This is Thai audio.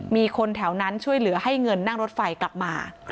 มีคนแถวนั้นช่วยเหลือให้เงินนั่งรถไฟกลับมา